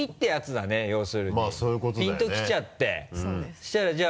そしたらじゃあ